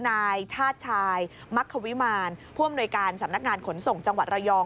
นายชาติชายมักขวิมารผู้อำนวยการสำนักงานขนส่งจังหวัดระยอง